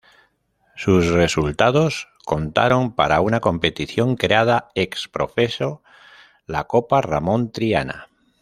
Sus resultados contaron para una competición creada ex-profeso, la copa Ramón Triana.